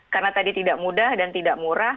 karena tadi tidak mudah dan tidak murah